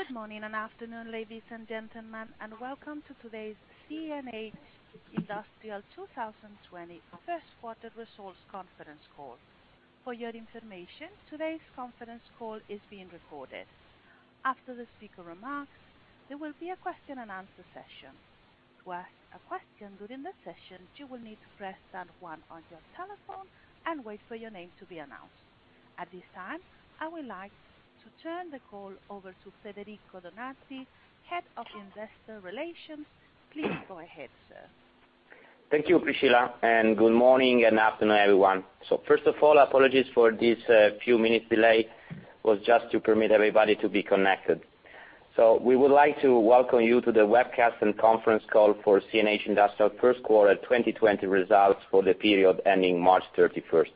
Good morning and afternoon, ladies and gentlemen, and welcome to today's CNH Industrial 2020 first quarter results conference call. For your information, today's conference call is being recorded. After the speaker remarks, there will be a question-and-answer session. To ask a question during the session, you will need to press star one on your telephone and wait for your name to be announced. At this time, I would like to turn the call over to Federico Donati, Head of Investor Relations. Please go ahead, sir. Thank you, Priscilla. Good morning and afternoon, everyone. First of all, apologies for this few minutes delay. It was just to permit everybody to be connected. We would like to welcome you to the webcast and conference call for CNH Industrial first quarter 2020 results for the period ending March 31st.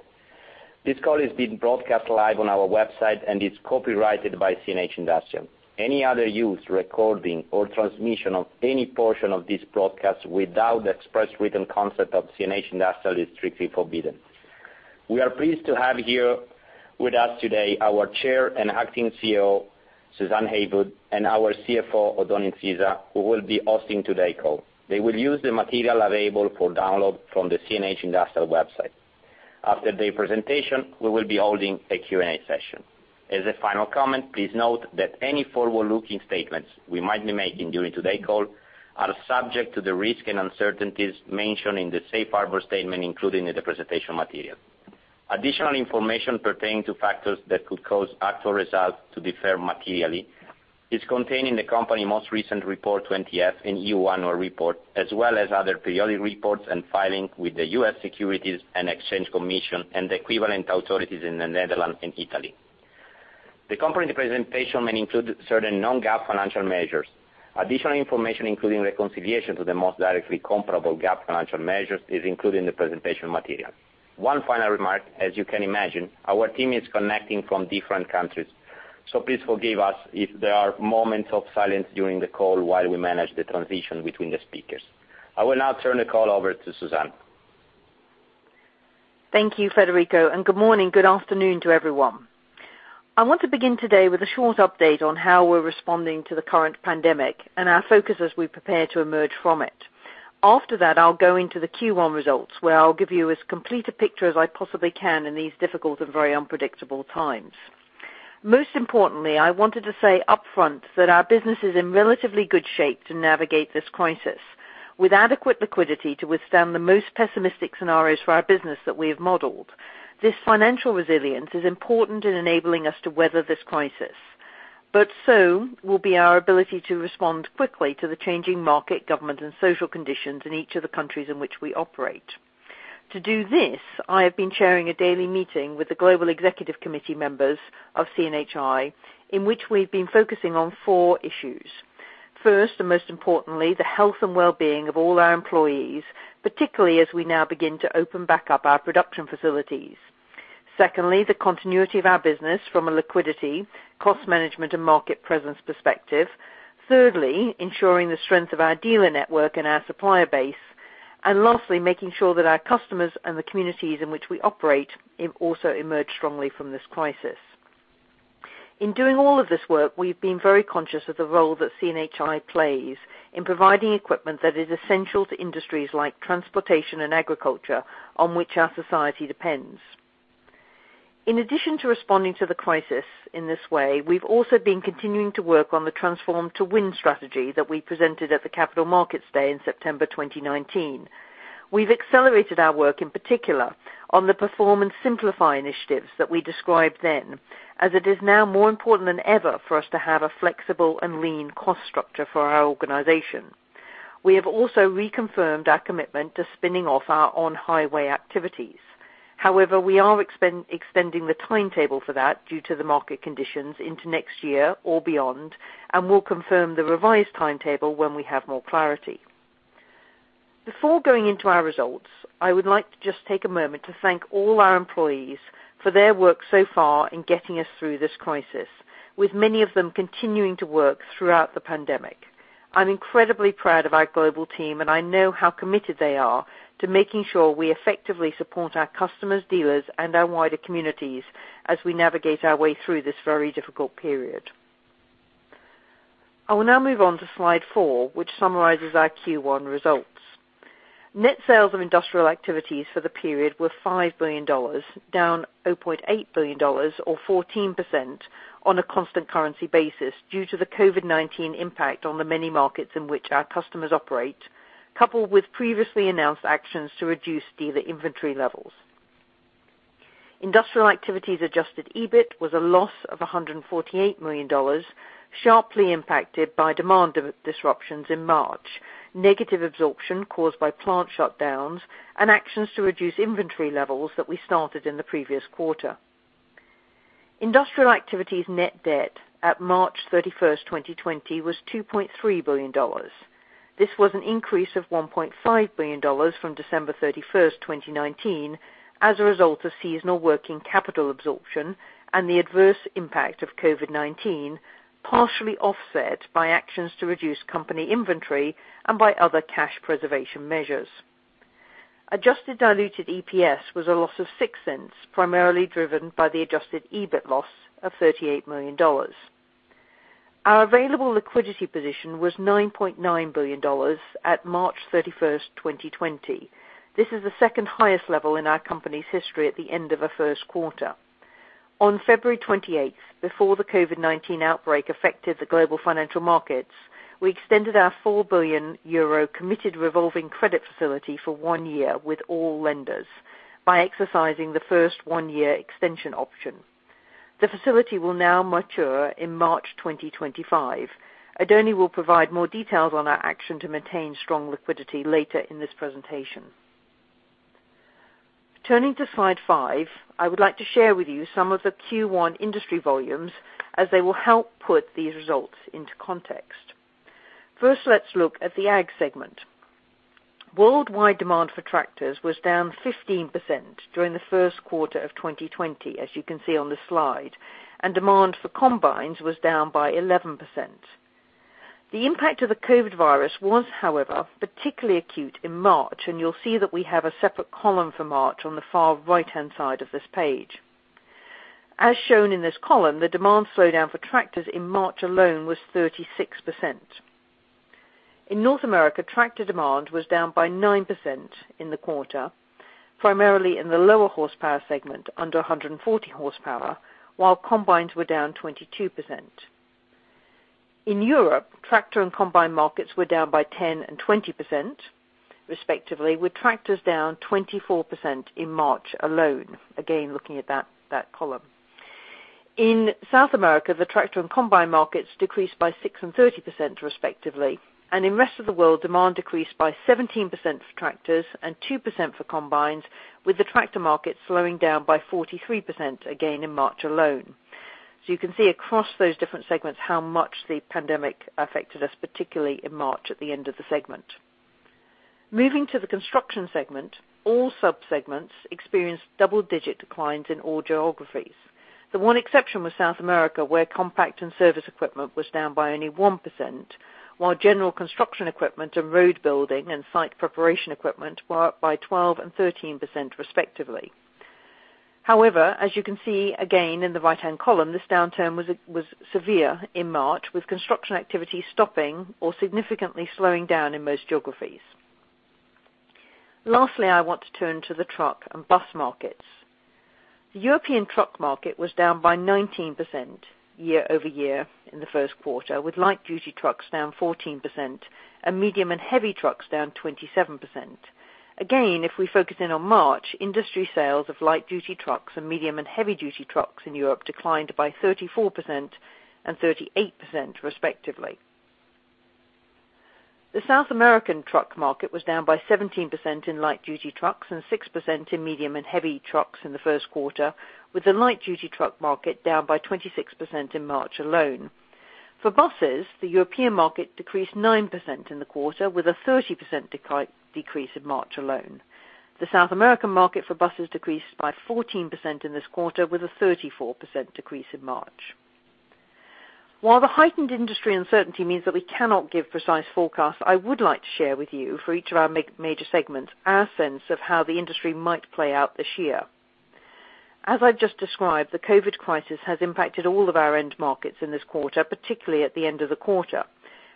This call is being broadcast live on our website and is copyrighted by CNH Industrial. Any other use, recording, or transmission of any portion of this broadcast without the express written consent of CNH Industrial is strictly forbidden. We are pleased to have here with us today our Chair and Acting Chief Executive Officer, Suzanne Heywood, and our Chief Financial Officer, Oddone Incisa, who will be hosting today's call. They will use the material available for download from the CNH Industrial website. After their presentation, we will be holding a Q&A session. As a final comment, please note that any forward-looking statements we might be making during today's call are subject to the risk and uncertainties mentioned in the safe harbor statement, including in the presentation material. Additional information pertaining to factors that could cause actual results to differ materially is contained in the company's most recent Form 20-F and EU Annual Report, as well as other periodic reports and filings with the U.S. Securities and Exchange Commission and the equivalent authorities in the Netherlands and Italy. The company presentation may include certain non-GAAP financial measures. Additional information, including reconciliation to the most directly comparable GAAP financial measures, is included in the presentation material. One final remark, as you can imagine, our team is connecting from different countries. Please forgive us if there are moments of silence during the call while we manage the transition between the speakers. I will now turn the call over to Suzanne. Thank you, Federico. Good morning, good afternoon to everyone. I want to begin today with a short update on how we're responding to the current pandemic and our focus as we prepare to emerge from it. After that, I'll go into the Q1 results, where I'll give you as complete a picture as I possibly can in these difficult and very unpredictable times. Most importantly, I wanted to say upfront that our business is in relatively good shape to navigate this crisis, with adequate liquidity to withstand the most pessimistic scenarios for our business that we have modeled. This financial resilience is important in enabling us to weather this crisis. So will be our ability to respond quickly to the changing market, government, and social conditions in each of the countries in which we operate. To do this, I have been chairing a daily meeting with the global executive committee members of CNHI, in which we've been focusing on four issues. First, and most importantly, the health and well-being of all our employees, particularly as we now begin to open back up our production facilities. Secondly, the continuity of our business from a liquidity, cost management, and market presence perspective. Thirdly, ensuring the strength of our dealer network and our supplier base. Lastly, making sure that our customers and the communities in which we operate also emerge strongly from this crisis. In doing all of this work, we've been very conscious of the role that CNHI plays in providing equipment that is essential to industries like transportation and agriculture, on which our society depends. In addition to responding to the crisis in this way, we've also been continuing to work on the Transform 2 Win strategy that we presented at the Capital Markets Day in September 2019. We've accelerated our work, in particular, on the Perform & Simplify initiatives that we described then, as it is now more important than ever for us to have a flexible and lean cost structure for our organization. We have also reconfirmed our commitment to spinning off our on-highway activities. However, we are extending the timetable for that due to the market conditions into next year or beyond, and we'll confirm the revised timetable when we have more clarity. Before going into our results, I would like to just take a moment to thank all our employees for their work so far in getting us through this crisis, with many of them continuing to work throughout the pandemic. I'm incredibly proud of our global team, and I know how committed they are to making sure we effectively support our customers, dealers, and our wider communities as we navigate our way through this very difficult period. I will now move on to slide four, which summarizes our Q1 results. Net sales of industrial activities for the period were $5 billion, down $0.8 billion, or 14% on a constant currency basis due to the COVID-19 impact on the many markets in which our customers operate, coupled with previously announced actions to reduce dealer inventory levels. Industrial activities adjusted EBIT was a loss of $148 million, sharply impacted by demand disruptions in March, negative absorption caused by plant shutdowns, and actions to reduce inventory levels that we started in the previous quarter. Industrial activities net debt at March 31st, 2020, was $2.3 billion. This was an increase of $1.5 billion from December 31, 2019, as a result of seasonal working capital absorption and the adverse impact of COVID-19, partially offset by actions to reduce company inventory and by other cash preservation measures. Adjusted diluted EPS was a loss of $0.06, primarily driven by the adjusted EBIT loss of $38 million. Our available liquidity position was $9.9 billion at March 31, 2020. This is the second highest level in our company's history at the end of a first quarter. On February 28, before the COVID-19 outbreak affected the global financial markets, we extended our $4 billion committed revolving credit facility for one year with all lenders by exercising the first one-year extension option. The facility will now mature in March 2025. Oddone will provide more details on our action to maintain strong liquidity later in this presentation. Turning to slide five, I would like to share with you some of the Q1 industry volumes, as they will help put these results into context. First, let's look at the ag segment. Worldwide demand for tractors was down 15% during the first quarter of 2020, as you can see on the slide, and demand for combines was down by 11%. The impact of the COVID-19 was, however, particularly acute in March, and you'll see that we have a separate column for March on the far right-hand side of this page. As shown in this column, the demand slowdown for tractors in March alone was 36%. In North America, tractor demand was down by 9% in the quarter, primarily in the lower horsepower segment, under 140 horsepower, while combines were down 22%. In Europe, tractor and combine markets were down by 10% and 20%, respectively, with tractors down 24% in March alone. Again, looking at that column. In South America, the tractor and combine markets decreased by 6% and 30%, respectively, and in the rest of the world, demand decreased by 17% for tractors and 2% for combines, with the tractor market slowing down by 43%, again, in March alone. You can see across those different segments how much the pandemic affected us, particularly in March at the end of the segment. Moving to the construction segment, all sub-segments experienced double-digit declines in all geographies. The one exception was South America, where compact and service equipment was down by only 1%, while general construction equipment and road building and site preparation equipment were up by 12% and 13%, respectively. However, as you can see, again, in the right-hand column, this downturn was severe in March, with construction activity stopping or significantly slowing down in most geographies. Lastly, I want to turn to the truck and bus markets. The European truck market was down by 19% year-over-year in the first quarter, with light-duty trucks down 14% and medium and heavy trucks down 27%. Again, if we focus in on March, industry sales of light-duty trucks and medium and heavy-duty trucks in Europe declined by 34% and 38%, respectively. The South American truck market was down by 17% in light-duty trucks and 6% in medium and heavy trucks in the first quarter, with the light-duty truck market down by 26% in March alone. For buses, the European market decreased 9% in the quarter, with a 30% decrease in March alone. The South American market for buses decreased by 14% in this quarter, with a 34% decrease in March. While the heightened industry uncertainty means that we cannot give precise forecasts, I would like to share with you, for each of our major segments, our sense of how the industry might play out this year. As I've just described, the COVID crisis has impacted all of our end markets in this quarter, particularly at the end of the quarter.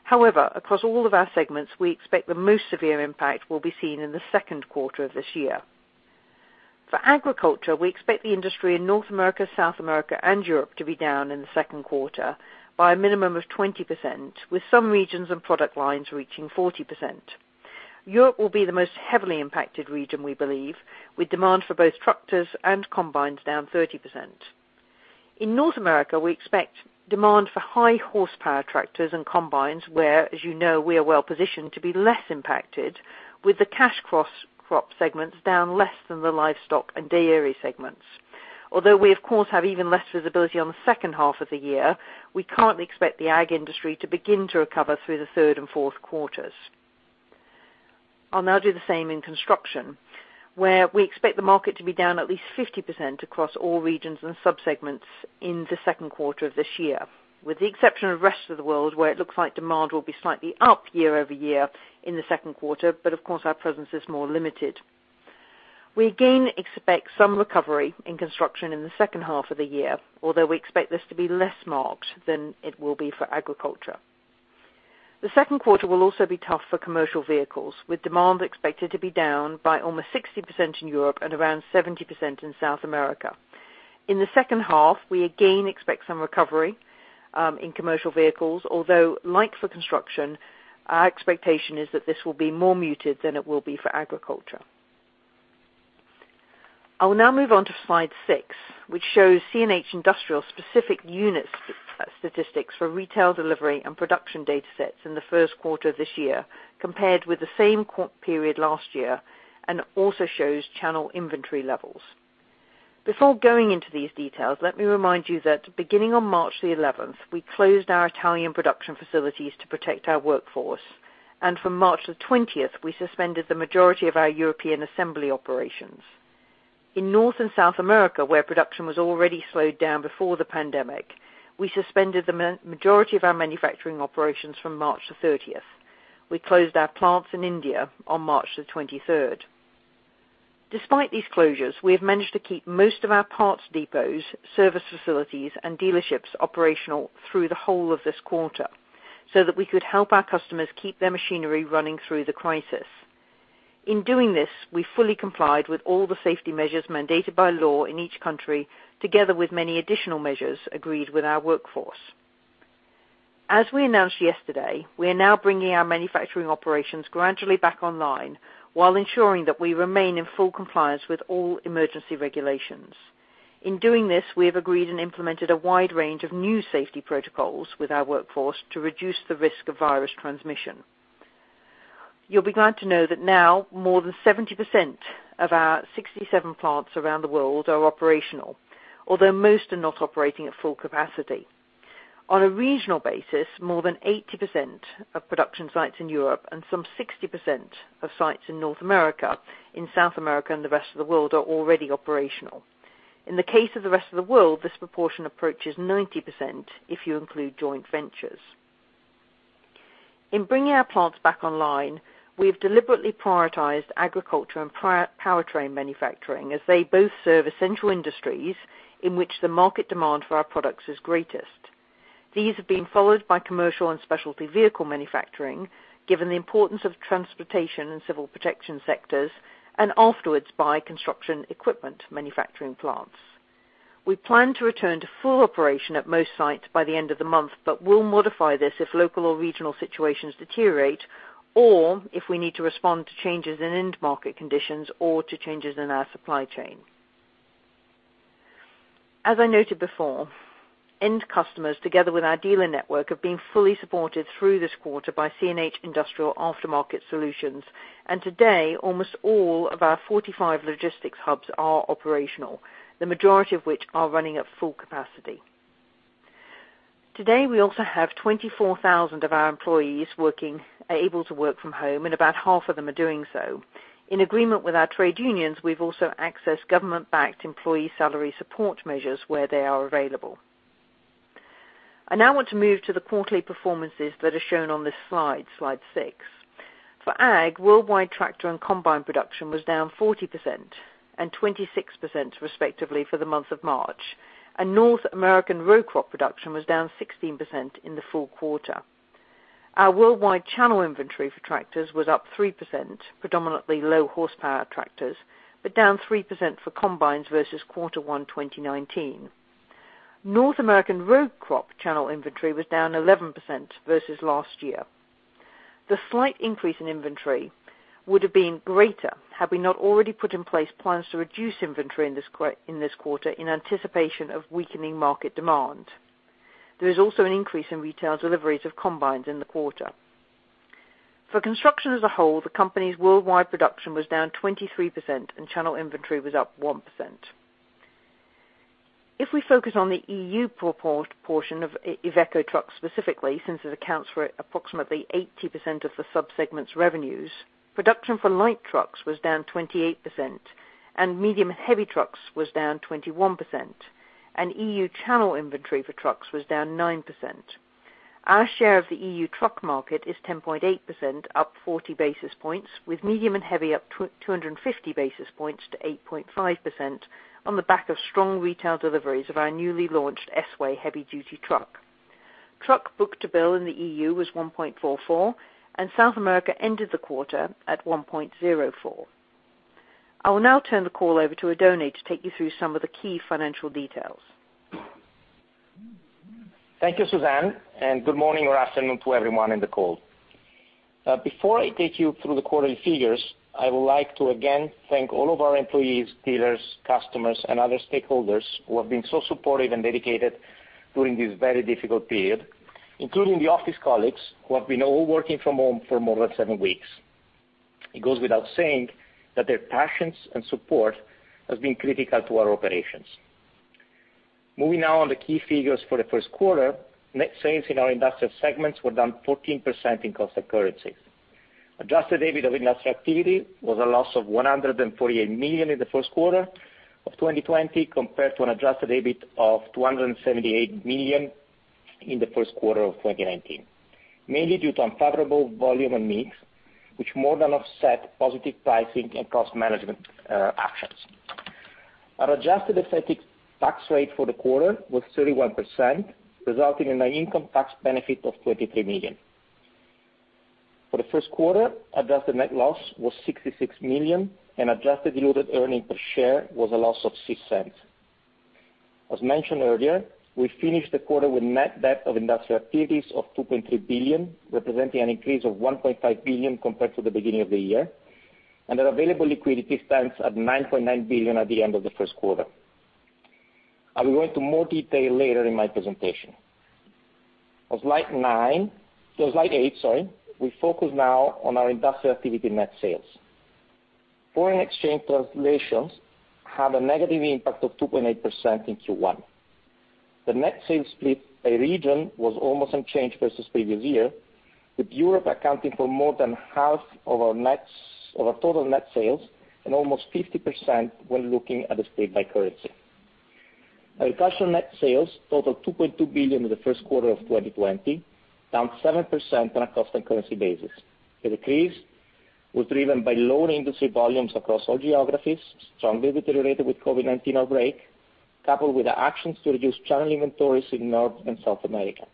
However, across all of our segments, we expect the most severe impact will be seen in the second quarter of this year. For agriculture, we expect the industry in North America, South America, and Europe to be down in the second quarter by a minimum of 20%, with some regions and product lines reaching 40%. Europe will be the most heavily impacted region, we believe, with demand for both tractors and combines down 30%. In North America, we expect demand for high horsepower tractors and combines where, as you know, we are well positioned to be less impacted, with the cash crop segments down less than the livestock and dairy segments. Although we of course have even less visibility on the second half of the year, we currently expect the ag industry to begin to recover through the third and fourth quarters. I'll now do the same in construction, where we expect the market to be down at least 50% across all regions and sub-segments in the second quarter of this year. With the exception of rest of the world, where it looks like demand will be slightly up year-over-year in the second quarter, but of course, our presence is more limited. We again expect some recovery in construction in the second half of the year, although we expect this to be less marked than it will be for agriculture. The second quarter will also be tough for commercial vehicles, with demand expected to be down by almost 60% in Europe and around 70% in South America. In the second half, we again expect some recovery in commercial vehicles, although like for construction, our expectation is that this will be more muted than it will be for agriculture. I will now move on to slide six, which shows CNH Industrial specific unit statistics for retail delivery and production data sets in the first quarter of this year, compared with the same period last year, and also shows channel inventory levels. Before going into these details, let me remind you that beginning on March the 11th, we closed our Italian production facilities to protect our workforce, and from March the 20th, we suspended the majority of our European assembly operations. In North and South America, where production was already slowed down before the pandemic, we suspended the majority of our manufacturing operations from March 30th. We closed our plants in India on March 23rd. Despite these closures, we have managed to keep most of our parts depots, service facilities, and dealerships operational through the whole of this quarter so that we could help our customers keep their machinery running through the crisis. In doing this, we fully complied with all the safety measures mandated by law in each country, together with many additional measures agreed with our workforce. As we announced yesterday, we are now bringing our manufacturing operations gradually back online while ensuring that we remain in full compliance with all emergency regulations. In doing this, we have agreed and implemented a wide range of new safety protocols with our workforce to reduce the risk of virus transmission. You'll be glad to know that now more than 70% of our 67 plants around the world are operational, although most are not operating at full capacity. On a regional basis, more than 80% of production sites in Europe and some 60% of sites in North America, in South America, and the rest of the world are already operational. In the case of the rest of the world, this proportion approaches 90% if you include joint ventures. In bringing our plants back online, we have deliberately prioritized agriculture and powertrain manufacturing as they both serve essential industries in which the market demand for our products is greatest. These have been followed by commercial and specialty vehicle manufacturing, given the importance of transportation and civil protection sectors, and afterwards by construction equipment manufacturing plants. We plan to return to full operation at most sites by the end of the month, but we'll modify this if local or regional situations deteriorate, or if we need to respond to changes in end market conditions or to changes in our supply chain. As I noted before, end customers, together with our dealer network, have been fully supported through this quarter by CNH Industrial Aftermarket Solutions, and today, almost all of our 45 logistics hubs are operational, the majority of which are running at full capacity. Today, we also have 24,000 of our employees able to work from home, and about half of them are doing so. In agreement with our trade unions, we've also accessed government-backed employee salary support measures where they are available. I now want to move to the quarterly performances that are shown on this slide six. For Ag, worldwide tractor and combine production was down 40% and 26%, respectively, for the month of March, and North American row crop production was down 16% in the fourth quarter. Our worldwide channel inventory for tractors was up 3%, predominantly low-horsepower tractors, but down 3% for combines versus quarter one 2019. North American row crop channel inventory was down 11% versus last year. The slight increase in inventory would have been greater had we not already put in place plans to reduce inventory in this quarter in anticipation of weakening market demand. There is also an increase in retail deliveries of combines in the quarter. For construction as a whole, the company's worldwide production was down 23% and channel inventory was up 1%. If we focus on the EU proportion of IVECO trucks specifically, since it accounts for approximately 80% of the sub-segment's revenues, production for light trucks was down 28% and medium heavy trucks was down 21%, and EU channel inventory for trucks was down 9%. Our share of the EU truck market is 10.8%, up 40 basis points, with medium and heavy up 250 basis points to 8.5% on the back of strong retail deliveries of our newly launched S-Way heavy-duty truck. Truck book-to-bill in the EU was 1.44, and South America ended the quarter at 1.04. I will now turn the call over to Oddone to take you through some of the key financial details. Thank you, Suzanne. Good morning or afternoon to everyone in the call. Before I take you through the quarterly figures, I would like to again thank all of our employees, dealers, customers, and other stakeholders who have been so supportive and dedicated during this very difficult period, including the office colleagues who have been all working from home for more than seven weeks. It goes without saying that their patience and support has been critical to our operations. Moving now on the key figures for the first quarter, net sales in our industrial segments were down 14% in constant currency. Adjusted EBIT of Industrial activity was a loss of $148 million in the first quarter of 2020 compared to an adjusted EBIT of $278 million in the first quarter of 2019, mainly due to unfavorable volume and mix, which more than offset positive pricing and cost management actions. Our adjusted effective tax rate for the quarter was 31%, resulting in an income tax benefit of $23 million. For the first quarter, adjusted net loss was $66 million and adjusted diluted earnings per share was a loss of $0.06. As mentioned earlier, we finished the quarter with net debt of Industrial activities of $2.3 billion, representing an increase of $1.5 billion compared to the beginning of the year, and our available liquidity stands at $9.9 billion at the end of the first quarter. I will go into more detail later in my presentation. On slide eight, we focus now on our Industrial activity net sales. Foreign exchange translations had a negative impact of 2.8% in Q1. The net sales split by region was almost unchanged versus the previous year, with Europe accounting for more than half of our total net sales and almost 50% when looking at the split by currency. Agriculture net sales totaled $2.2 billion in the first quarter of 2020, down 7% on a constant currency basis. The decrease was driven by lower industry volumes across all geographies, strongly deteriorated with COVID-19 outbreak, coupled with the actions to reduce channel inventories in North and South America.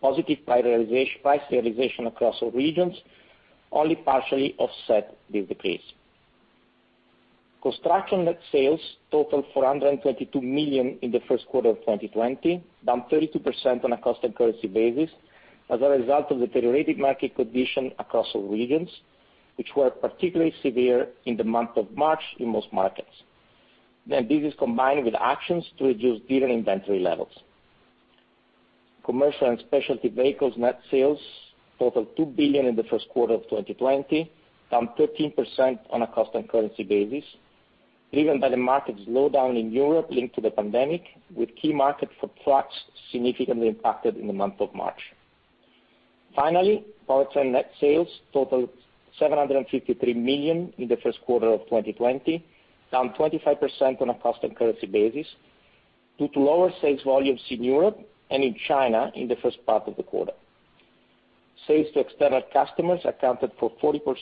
Positive price realization across all regions only partially offset this decrease. Construction net sales totaled $422 million in the first quarter of 2020, down 32% on a constant currency basis as a result of deteriorating market condition across all regions, which were particularly severe in the month of March in most markets. This is combined with actions to reduce dealer inventory levels. Commercial and specialty vehicles net sales totaled $2 billion in the first quarter of 2020, down 13% on a constant currency basis, driven by the market slowdown in Europe linked to the pandemic, with key market for trucks significantly impacted in the month of March. Powertrain net sales totaled $753 million in the first quarter of 2020, down 25% on a constant currency basis due to lower sales volumes in Europe and in China in the first part of the quarter. Sales to external customers accounted for 44%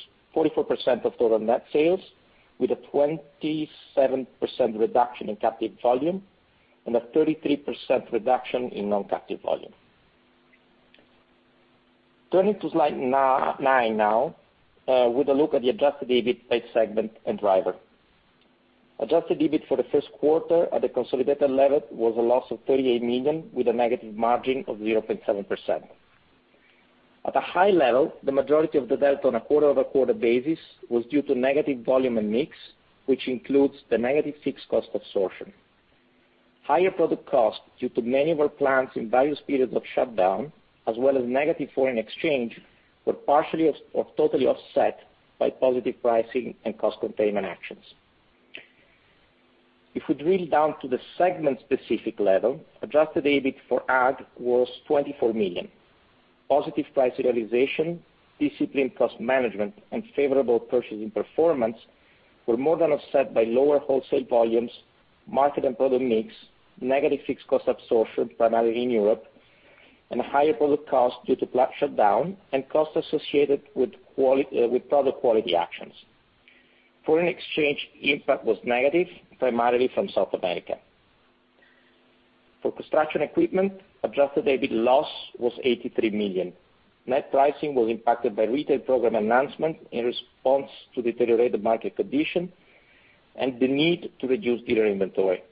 of total net sales, with a 27% reduction in captive volume and a 33% reduction in non-captive volume. Turning to slide nine now with a look at the adjusted EBIT by segment and driver. Adjusted EBIT for the first quarter at the consolidated level was a loss of $38 million, with a negative margin of 0.7%. At a high level, the majority of the delta on a quarter-over-quarter basis was due to negative volume and mix, which includes the negative fixed cost absorption. Higher product cost due to many of our plants in various periods of shutdown, as well as negative foreign exchange, were partially or totally offset by positive pricing and cost containment actions. If we drill down to the segment-specific level, adjusted EBIT for Ag was $24 million. Positive price realization, disciplined cost management, and favorable purchasing performance were more than offset by lower wholesale volumes, market and product mix, negative fixed cost absorption, primarily in Europe, and higher product cost due to plant shutdown and cost associated with product quality actions. Foreign exchange impact was negative, primarily from South America. For Construction Equipment, adjusted EBIT loss was $83 million. Net pricing was impacted by retail program announcement in response to deteriorated market condition and the need to reduce dealer inventory.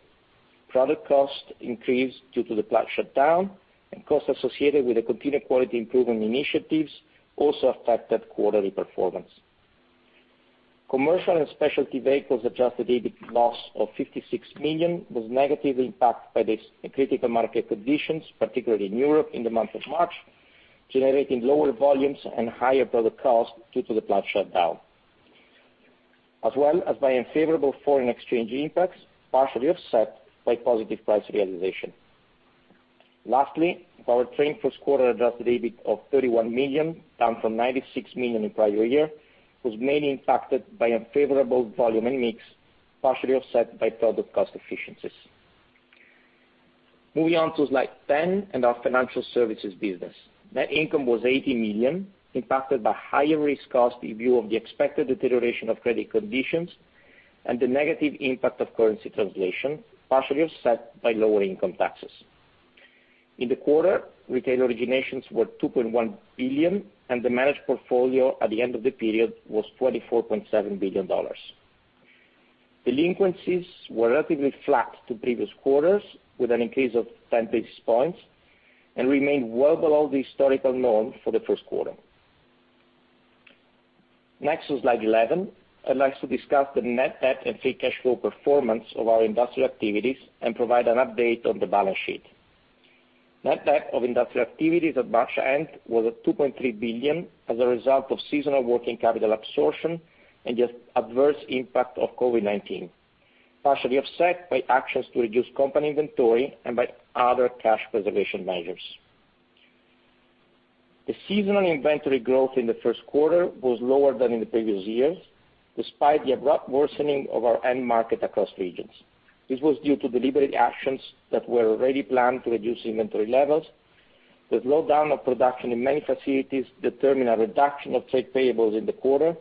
Product cost increased due to the plant shutdown and cost associated with the continued quality improvement initiatives also affected quarterly performance. Commercial and Specialty Vehicles adjusted EBIT loss of $56 million was negatively impacted by the critical market conditions, particularly in Europe in the month of March, generating lower volumes and higher product cost due to the plant shutdown, as well as by unfavorable foreign exchange impacts, partially offset by positive price realization. Lastly, Powertrain first quarter adjusted EBIT of $31 million, down from $96 million in prior year, was mainly impacted by unfavorable volume and mix, partially offset by product cost efficiencies. Moving on to slide 10 and our financial services business. Net income was $80 million, impacted by higher risk cost in view of the expected deterioration of credit conditions and the negative impact of currency translation, partially offset by lower income taxes. In the quarter, retail originations were $2.1 billion, and the managed portfolio at the end of the period was $24.7 billion. Delinquencies were relatively flat to previous quarters, with an increase of 10 basis points, and remained well below the historical norm for the first quarter. Next is slide 11. I'd like to discuss the net debt and free cash flow performance of our industrial activities and provide an update on the balance sheet. Net debt of industrial activities at March end was at $2.3 billion as a result of seasonal working capital absorption and the adverse impact of COVID-19, partially offset by actions to reduce company inventory and by other cash preservation measures. The seasonal inventory growth in the first quarter was lower than in the previous years, despite the abrupt worsening of our end market across regions. This was due to deliberate actions that were already planned to reduce inventory levels. The slowdown of production in many facilities determined a reduction of trade payables in the quarter,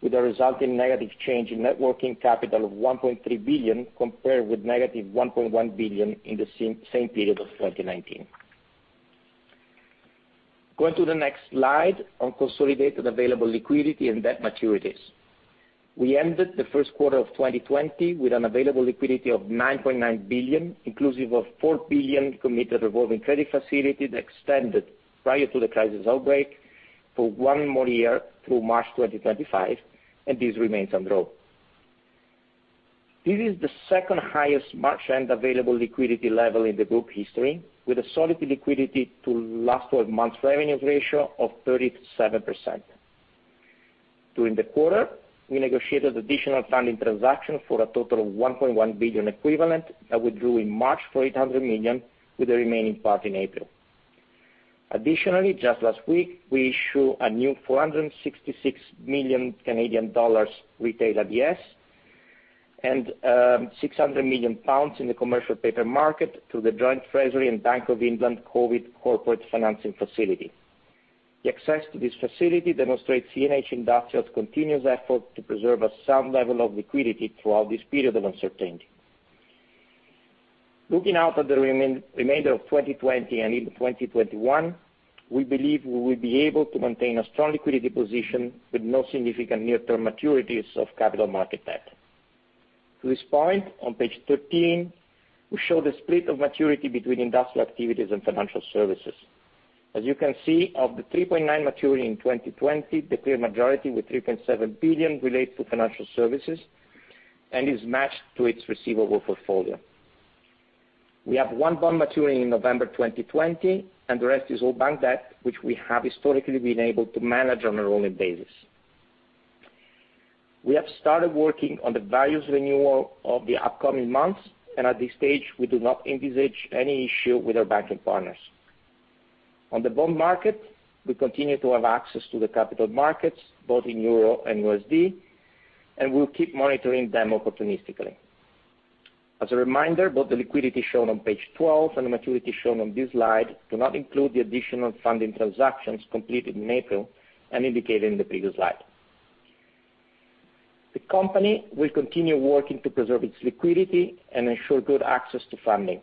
with a resulting negative change in net working capital of $1.3 billion, compared with negative $1.1 billion in the same period of 2019. Going to the next slide on consolidated available liquidity and debt maturities. We ended the first quarter of 2020 with an available liquidity of $9.9 billion, inclusive of 4 billion committed revolving credit facility extended prior to the crisis outbreak for one more year through March 2025, and this remains undrawn. This is the second highest March-end available liquidity level in the group history, with a solid liquidity to last 12 months revenue ratio of 37%. During the quarter, we negotiated additional funding transaction for a total of $1.1 billion equivalent that withdrew in March for $800 million, with the remaining part in April. Additionally, just last week, we issue a new 466 million Canadian dollars retail ABS and 600 million pounds in the commercial paper market through the Joint Treasury and Bank of England COVID Corporate Financing Facility. The access to this facility demonstrates CNH Industrial's continuous effort to preserve a sound level of liquidity throughout this period of uncertainty. Looking out at the remainder of 2020 and into 2021, we believe we will be able to maintain a strong liquidity position with no significant near-term maturities of capital market debt. To this point, on page 13, we show the split of maturity between industrial activities and financial services. As you can see, of the $3.9 billion maturing in 2020, the clear majority with 3.7 billion relates to financial services, and is matched to its receivable portfolio. We have one bond maturing in November 2020, and the rest is all bank debt, which we have historically been able to manage on a rolling basis. We have started working on the various renewal of the upcoming months, and at this stage, we do not envisage any issue with our banking partners. On the bond market, we continue to have access to the capital markets, both in EUR and USD, and we will keep monitoring them opportunistically. As a reminder, both the liquidity shown on page 12 and the maturity shown on this slide do not include the additional funding transactions completed in April and indicated in the previous slide. The company will continue working to preserve its liquidity and ensure good access to funding.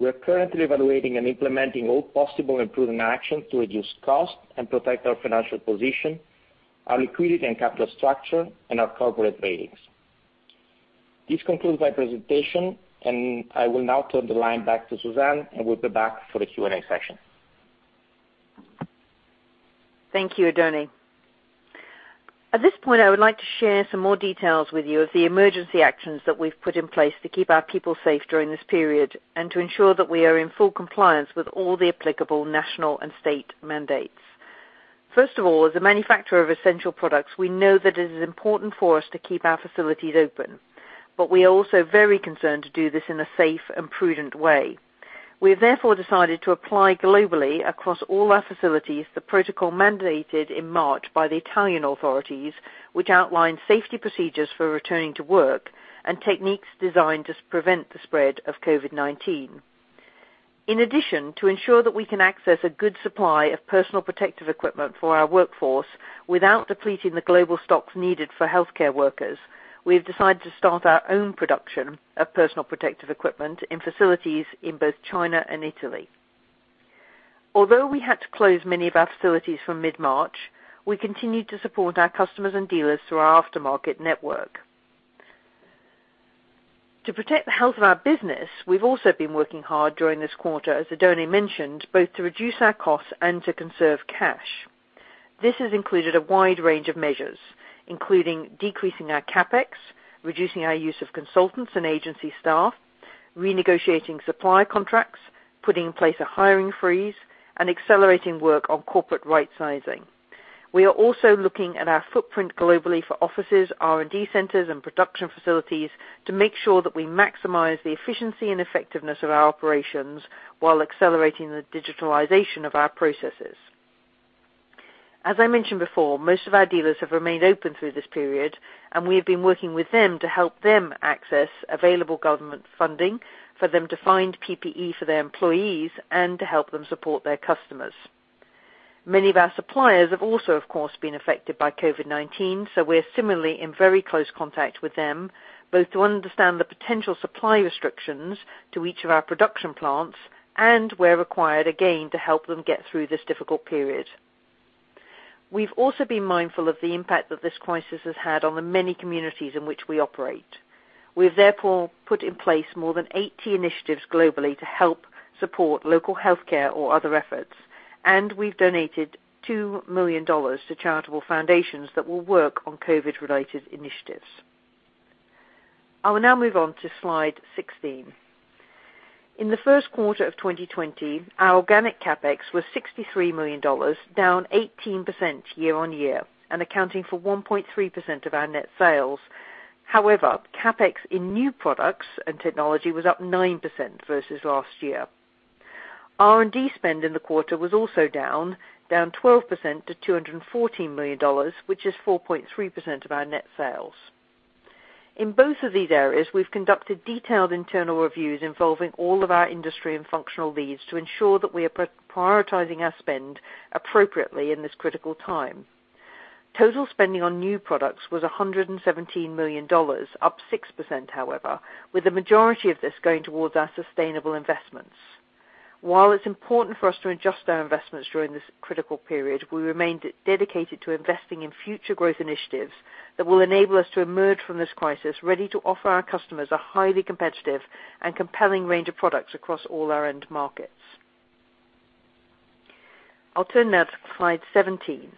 We are currently evaluating and implementing all possible improvement action to reduce cost and protect our financial position, our liquidity and capital structure, and our corporate ratings. This concludes my presentation, and I will now turn the line back to Suzanne, and we'll be back for the Q&A session. Thank you, Oddone. At this point, I would like to share some more details with you of the emergency actions that we've put in place to keep our people safe during this period and to ensure that we are in full compliance with all the applicable national and state mandates. First of all, as a manufacturer of essential products, we know that it is important for us to keep our facilities open. We are also very concerned to do this in a safe and prudent way. We have therefore decided to apply globally across all our facilities the protocol mandated in March by the Italian authorities, which outlined safety procedures for returning to work and techniques designed to prevent the spread of COVID-19. In addition, to ensure that we can access a good supply of personal protective equipment for our workforce without depleting the global stocks needed for healthcare workers, we have decided to start our own production of personal protective equipment in facilities in both China and Italy. Although we had to close many of our facilities from mid-March, we continued to support our customers and dealers through our aftermarket network. To protect the health of our business, we've also been working hard during this quarter, as Oddone mentioned, both to reduce our costs and to conserve cash. This has included a wide range of measures, including decreasing our CapEx, reducing our use of consultants and agency staff, renegotiating supply contracts, putting in place a hiring freeze, and accelerating work on corporate rightsizing. We are also looking at our footprint globally for offices, R&D centers, and production facilities to make sure that we maximize the efficiency and effectiveness of our operations while accelerating the digitalization of our processes. As I mentioned before, most of our dealers have remained open through this period, and we have been working with them to help them access available government funding, for them to find PPE for their employees, and to help them support their customers. Many of our suppliers have also, of course, been affected by COVID-19, so we are similarly in very close contact with them, both to understand the potential supply restrictions to each of our production plants and where required, again, to help them get through this difficult period. We've also been mindful of the impact that this crisis has had on the many communities in which we operate. We have therefore put in place more than 80 initiatives globally to help support local healthcare or other efforts, and we've donated $2 million to charitable foundations that will work on COVID-related initiatives. I will now move on to slide 16. In the first quarter of 2020, our organic CapEx was $63 million, down 18% year-on-year, and accounting for 1.3% of our net sales. However, CapEx in new products and technology was up 9% versus last year. R&D spend in the quarter was also down 12% to $214 million, which is 4.3% of our net sales. In both of these areas, we've conducted detailed internal reviews involving all of our industry and functional leads to ensure that we are prioritizing our spend appropriately in this critical time. Total spending on new products was $117 million, up 6%, however, with the majority of this going towards our sustainable investments. While it's important for us to adjust our investments during this critical period, we remain dedicated to investing in future growth initiatives that will enable us to emerge from this crisis ready to offer our customers a highly competitive and compelling range of products across all our end markets. I'll turn now to slide 17,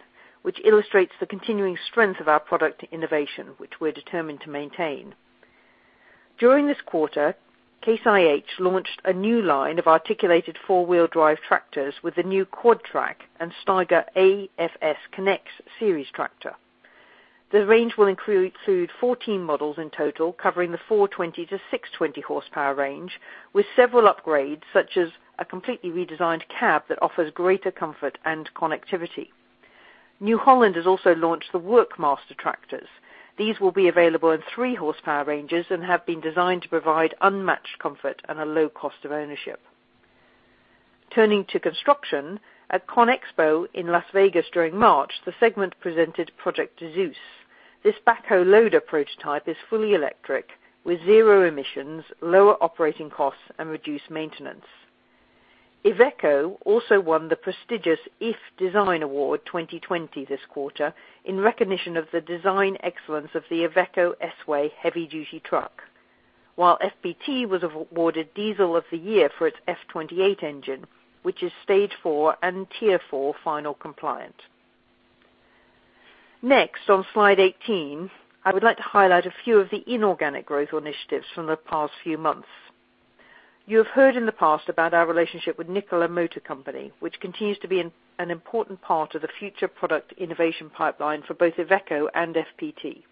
which illustrates the continuing strength of our product innovation, which we're determined to maintain. During this quarter, Case IH launched a new line of articulated four-wheel drive tractors with the new Quadtrac and Steiger AFS Connect series tractor. The range will include 14 models in total, covering the 420 horsepower-620 horsepower range, with several upgrades such as a completely redesigned cab that offers greater comfort and connectivity. New Holland has also launched the WORKMASTER tractors. These will be available in three horsepower ranges and have been designed to provide unmatched comfort at a low cost of ownership. Turning to construction, at ConExpo in Las Vegas during March, the segment presented Project Zeus. This backhoe loader prototype is fully electric, with zero emissions, lower operating costs, and reduced maintenance. IVECO also won the prestigious iF DESIGN AWARD 2020 this quarter in recognition of the design excellence of the IVECO S-Way heavy duty truck. While FPT was awarded Diesel of the Year for its F28 engine, which is Stage IV and Tier 4 final compliant. Next, on slide 18, I would like to highlight a few of the inorganic growth initiatives from the past few months. You have heard in the past about our relationship with Nikola Motor Company, which continues to be an important part of the future product innovation pipeline for both IVECO and FPT.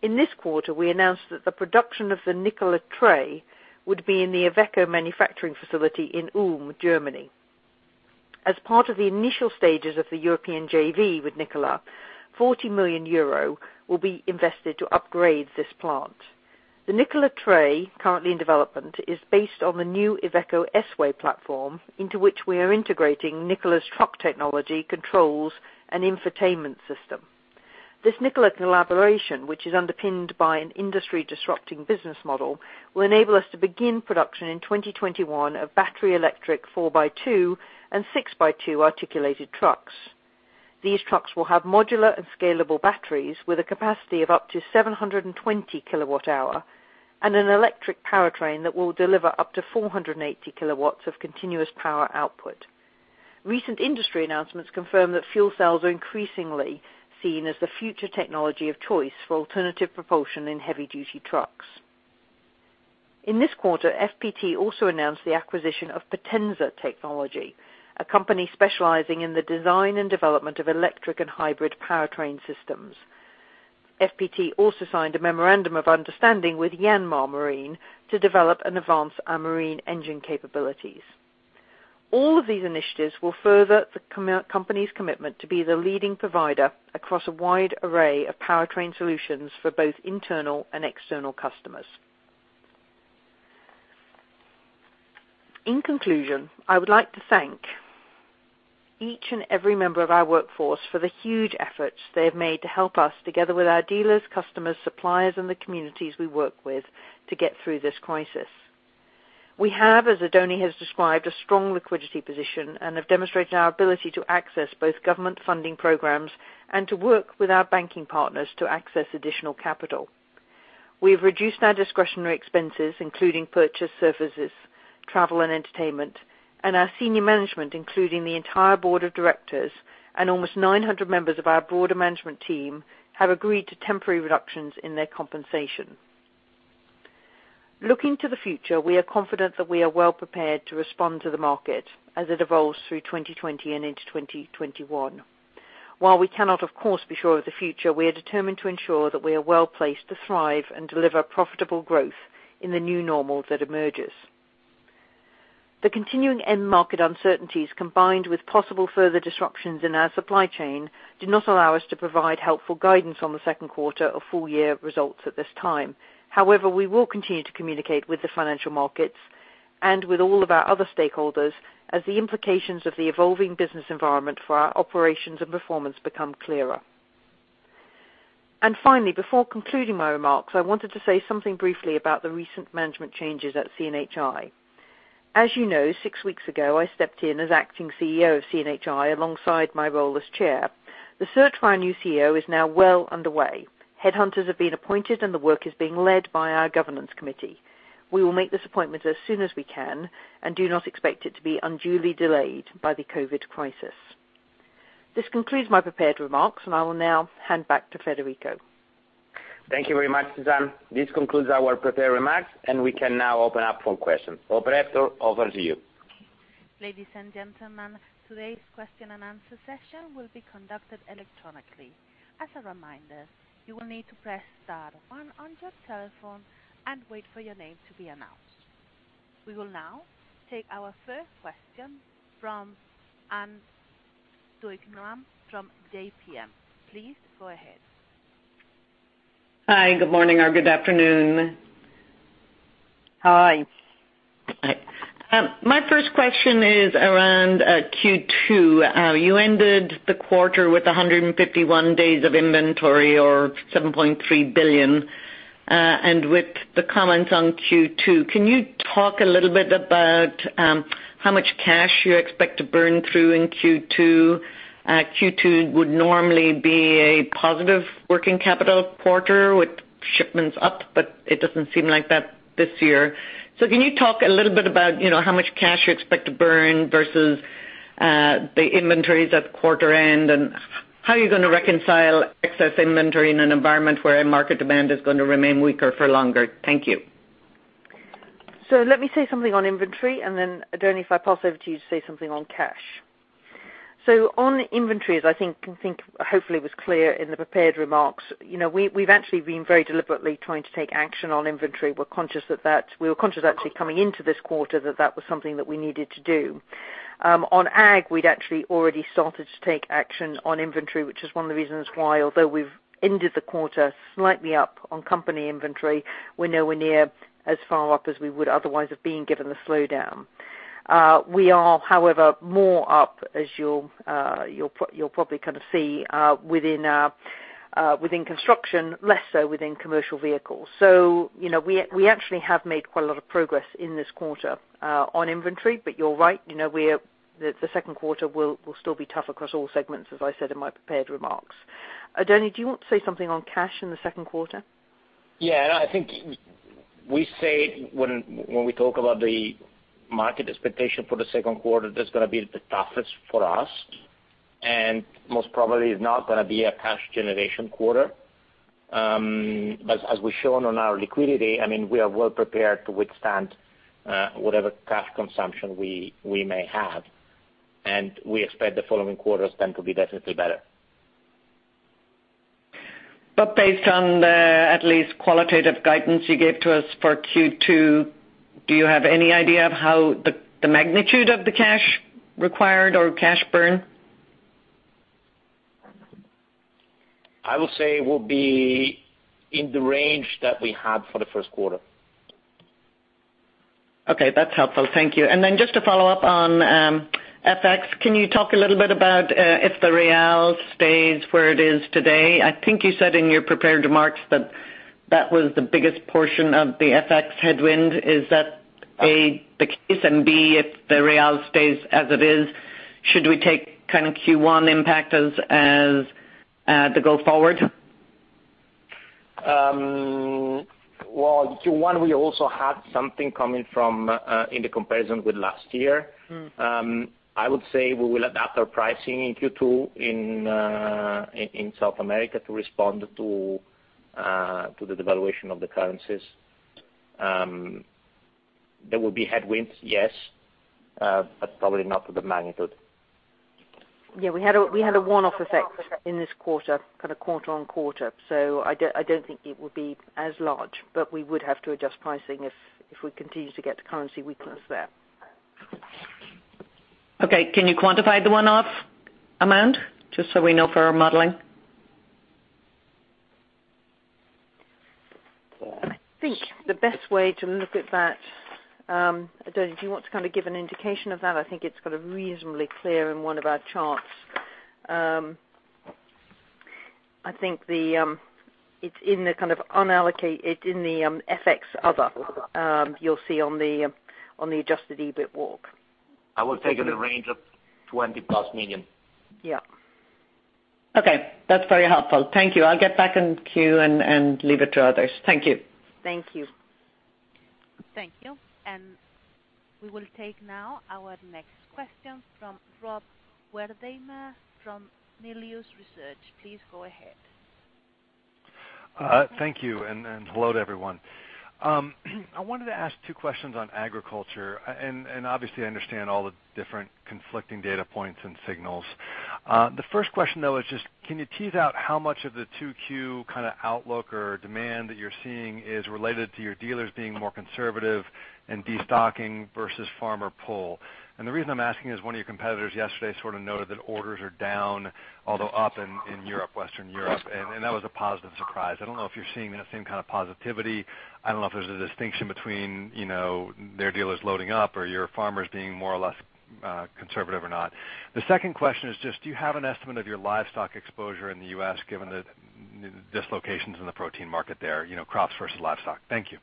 In this quarter, we announced that the production of the Nikola Tre would be in the IVECO manufacturing facility in Ulm, Germany. As part of the initial stages of the European JV with Nikola, EUR 40 million will be invested to upgrade this plant. The Nikola Tre, currently in development, is based on the new IVECO S-Way platform, into which we are integrating Nikola's truck technology, controls, and infotainment system. This Nikola collaboration, which is underpinned by an industry-disrupting business model, will enable us to begin production in 2021 of battery electric 4x2 and 6x2 articulated trucks. These trucks will have modular and scalable batteries with a capacity of up to 720 kWh and an electric powertrain that will deliver up to 480 kW of continuous power output. Recent industry announcements confirm that fuel cells are increasingly seen as the future technology of choice for alternative propulsion in heavy-duty trucks. In this quarter, FPT also announced the acquisition of Potenza Technology, a company specializing in the design and development of electric and hybrid powertrain systems. FPT also signed a memorandum of understanding with Yanmar Marine to develop and advance our marine engine capabilities. All of these initiatives will further the company's commitment to be the leading provider across a wide array of powertrain solutions for both internal and external customers. In conclusion, I would like to thank each and every member of our workforce for the huge efforts they have made to help us, together with our dealers, customers, suppliers, and the communities we work with to get through this crisis. We have, as Oddone has described, a strong liquidity position and have demonstrated our ability to access both government funding programs and to work with our banking partners to access additional capital. We have reduced our discretionary expenses, including purchase services, travel, and entertainment, and our senior management, including the entire board of directors and almost 900 members of our broader management team, have agreed to temporary reductions in their compensation. Looking to the future, we are confident that we are well prepared to respond to the market as it evolves through 2020 and into 2021. While we cannot, of course, be sure of the future, we are determined to ensure that we are well-placed to thrive and deliver profitable growth in the new normal that emerges. The continuing end market uncertainties, combined with possible further disruptions in our supply chain, do not allow us to provide helpful guidance on the second quarter or full year results at this time. However, we will continue to communicate with the financial markets and with all of our other stakeholders as the implications of the evolving business environment for our operations and performance become clearer. Finally, before concluding my remarks, I wanted to say something briefly about the recent management changes at CNHI. As you know, six weeks ago, I stepped in as acting CEO of CNHI alongside my role as chair. The search for our new CEO is now well underway. Headhunters have been appointed and the work is being led by our governance committee. We will make this appointment as soon as we can and do not expect it to be unduly delayed by the COVID crisis. This concludes my prepared remarks, and I will now hand back to Federico. Thank you very much, Suzanne. This concludes our prepared remarks. We can now open up for questions. Operator, over to you. Ladies and gentlemen, today's question-and-answer session will be conducted electronically. As a reminder, you will need to press star one on your telephone and wait for your name to be announced. We will now take our first question from Ann Duignan from JPMorgan. Please go ahead. Hi, good morning or good afternoon. Hi. Hi. My first question is around Q2. You ended the quarter with 151 days of inventory or $7.3 billion. With the comments on Q2, can you talk a little bit about how much cash you expect to burn through in Q2? Q2 would normally be a positive working capital quarter with shipments up, but it doesn't seem like that this year. Can you talk a little bit about how much cash you expect to burn versus the inventories at quarter end, and how you're going to reconcile excess inventory in an environment where market demand is going to remain weaker for longer. Thank you. Let me say something on inventory, and then Oddone, if I pass over to you to say something on cash. On inventories, I think, hopefully it was clear in the prepared remarks, we've actually been very deliberately trying to take action on inventory. We were conscious actually coming into this quarter that that was something that we needed to do. On ag, we'd actually already started to take action on inventory, which is one of the reasons why, although we've ended the quarter slightly up on company inventory, we're nowhere near as far up as we would otherwise have been, given the slowdown. We are, however, more up, as you'll probably see, within construction, less so within commercial vehicles. We actually have made quite a lot of progress in this quarter on inventory. You're right, the second quarter will still be tough across all segments, as I said in my prepared remarks. Oddone, do you want to say something on cash in the second quarter? I think we say when we talk about the market expectation for the second quarter, that's going to be the toughest for us. Most probably is not going to be a cash generation quarter. As we've shown on our liquidity, we are well prepared to withstand whatever cash consumption we may have, and we expect the following quarters then to be definitely better. Based on the at least qualitative guidance you gave to us for Q2, do you have any idea of how the magnitude of the cash required or cash burn? I will say it will be in the range that we had for the first quarter. Okay, that's helpful. Thank you. Just to follow up on FX, can you talk a little bit about if the real stays where it is today? I think you said in your prepared remarks that that was the biggest portion of the FX headwind. Is that, A, the case, B, if the real stays as it is, should we take kind of Q1 impact as the go forward? Well, Q1, we also had something coming from in the comparison with last year. I would say we will adapt our pricing in Q2 in South America to respond to the devaluation of the currencies. There will be headwinds, yes, but probably not to the magnitude. Yeah, we had a one-off effect in this quarter on a quarter-on-quarter, so I don't think it would be as large, but we would have to adjust pricing if we continue to get the currency weakness there. Okay. Can you quantify the one-off amount just so we know for our modeling? I think the best way to look at that, Oddone, do you want to give an indication of that? I think it's reasonably clear in one of our charts. I think it's in the FX other, you'll see on the adjusted EBIT walk. I would say in the range of $20+ million. Yeah. Okay. That's very helpful. Thank you. I'll get back in queue and leave it to others. Thank you. Thank you. Thank you. We will take now our next question from Rob Wertheimer from Melius Research. Please go ahead. Thank you. Hello to everyone. I wanted to ask two questions on agriculture. Obviously, I understand all the different conflicting data points and signals. The first question, though, is just can you tease out how much of the 2Q kind of outlook or demand that you're seeing is related to your dealers being more conservative and de-stocking versus farmer pull? The reason I'm asking is one of your competitors yesterday sort of noted that orders are down, although up in Western Europe, and that was a positive surprise. I don't know if you're seeing that same kind of positivity. I don't know if there's a distinction between their dealers loading up or your farmers being more or less conservative or not. The second question is just, do you have an estimate of your livestock exposure in the U.S., given the dislocations in the protein market there, crops versus livestock? Thank you.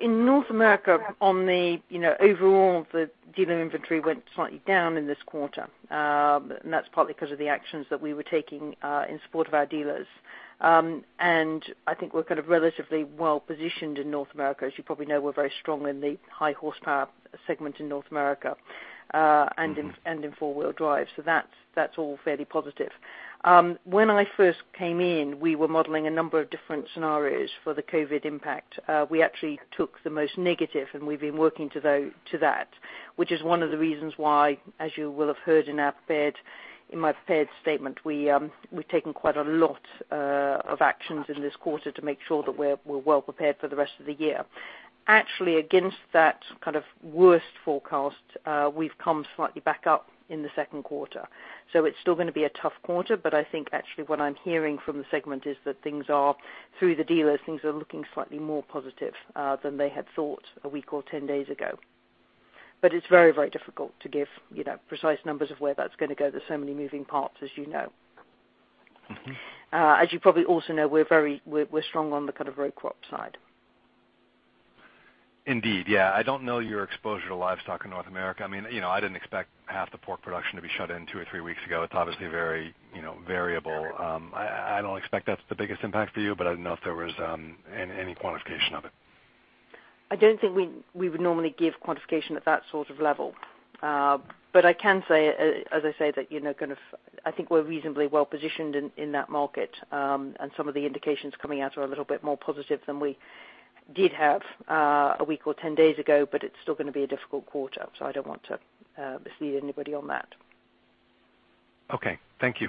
In North America, on the overall, the dealer inventory went slightly down in this quarter. That's partly because of the actions that we were taking in support of our dealers. I think we're kind of relatively well-positioned in North America. As you probably know, we're very strong in the high horsepower segment in North America and in four-wheel drive. That's all fairly positive. When I first came in, we were modeling a number of different scenarios for the COVID impact. We actually took the most negative, and we've been working to that, which is one of the reasons why, as you will have heard in my prepared statement, we've taken quite a lot of actions in this quarter to make sure that we're well prepared for the rest of the year. Actually, against that kind of worst forecast, we've come slightly back up in the second quarter. It's still going to be a tough quarter, but I think actually what I'm hearing from the segment is that through the dealers, things are looking slightly more positive than they had thought a week or 10 days ago. It's very, very difficult to give precise numbers of where that's going to go. There's so many moving parts, as you know. As you probably also know, we're strong on the kind of row crop side. Indeed, yeah. I don't know your exposure to livestock in North America. I didn't expect half the pork production to be shut in two or three weeks ago. It's obviously very variable. I don't expect that's the biggest impact for you, but I didn't know if there was any quantification of it. I don't think we would normally give quantification at that sort of level. I can say, as I say, that I think we're reasonably well-positioned in that market. Some of the indications coming out are a little bit more positive than we did have a week or 10 days ago, but it's still going to be a difficult quarter, so I don't want to mislead anybody on that. Okay. Thank you.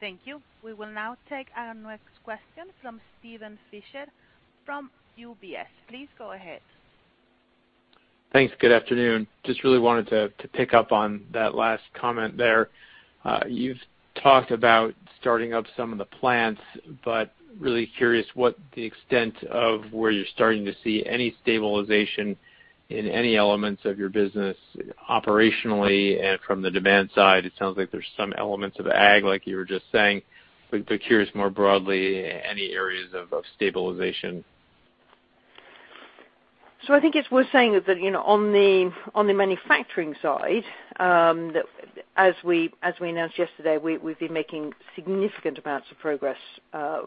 Thank you. We will now take our next question from Steven Fisher from UBS. Please go ahead. Thanks. Good afternoon. Just really wanted to pick up on that last comment there. You've talked about starting up some of the plants, but really curious what the extent of where you're starting to see any stabilization in any elements of your business operationally and from the demand side, it sounds like there's some elements of ag, like you were just saying, but curious more broadly, any areas of stabilization? I think it's worth saying that on the manufacturing side, that as we announced yesterday, we've been making significant amounts of progress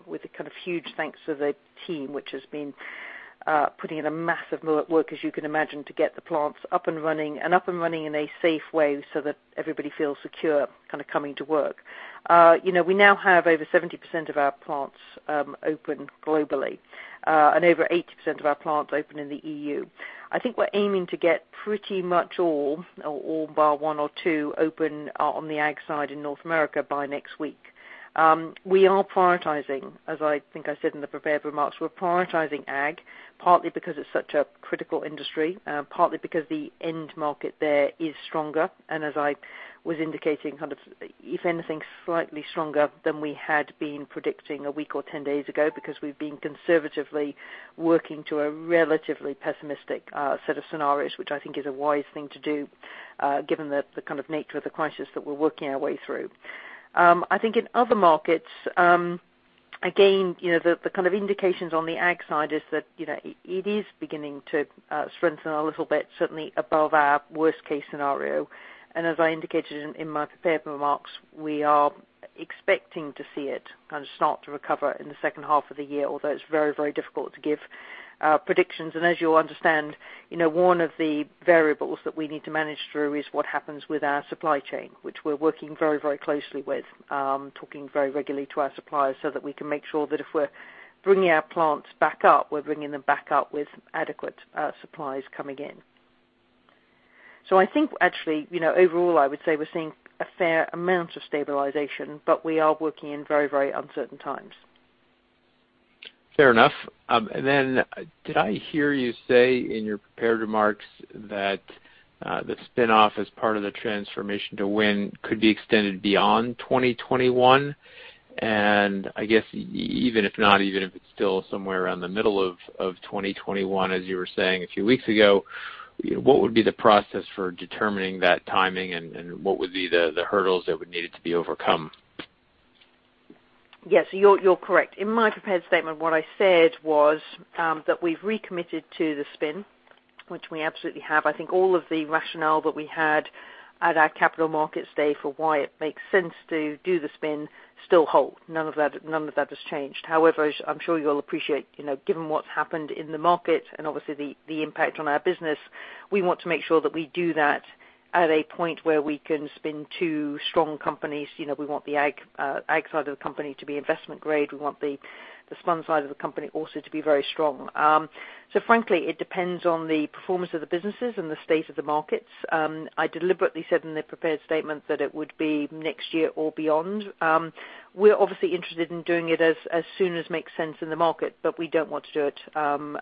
with a kind of huge thanks to the team, which has been putting in a massive amount of work, as you can imagine, to get the plants up and running, and up and running in a safe way so that everybody feels secure coming to work. We now have over 70% of our plants open globally, and over 80% of our plants open in the EU. I think we're aiming to get pretty much all, or all bar one or two open on the ag side in North America by next week. We are prioritizing, as I think I said in the prepared remarks, we're prioritizing ag, partly because it's such a critical industry, partly because the end market there is stronger. As I was indicating, if anything slightly stronger than we had been predicting a week or 10 days ago because we've been conservatively working to a relatively pessimistic set of scenarios, which I think is a wise thing to do given the kind of nature of the crisis that we're working our way through. I think in other markets, again, the kind of indications on the ag side is that it is beginning to strengthen a little bit, certainly above our worst-case scenario. As I indicated in my prepared remarks, we are expecting to see it kind of start to recover in the second half of the year, although it's very, very difficult to give predictions. As you'll understand, one of the variables that we need to manage through is what happens with our supply chain, which we're working very, very closely with, talking very regularly to our suppliers so that we can make sure that if we're bringing our plants back up, we're bringing them back up with adequate supplies coming in. I think actually, overall, I would say we're seeing a fair amount of stabilization, but we are working in very, very uncertain times. Fair enough. Did I hear you say in your prepared remarks that the spin-off as part of the Transform 2 Win could be extended beyond 2021? I guess even if not, even if it's still somewhere around the middle of 2021, as you were saying a few weeks ago, what would be the process for determining that timing and what would be the hurdles that would needed to be overcome? Yes, you're correct. In my prepared statement, what I said was that we've recommitted to the spin, which we absolutely have. I think all of the rationale that we had at our Capital Markets Day for why it makes sense to do the spin still hold. None of that has changed. I'm sure you'll appreciate, given what's happened in the market and obviously the impact on our business, we want to make sure that we do that at a point where we can spin two strong companies. We want the ag side of the company to be investment grade. We want the spun side of the company also to be very strong. Frankly, it depends on the performance of the businesses and the state of the markets. I deliberately said in the prepared statement that it would be next year or beyond. We're obviously interested in doing it as soon as makes sense in the market, but we don't want to do it